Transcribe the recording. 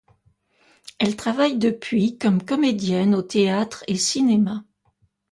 Elle travaille depuis comme comédienne au théâtre et cinéma.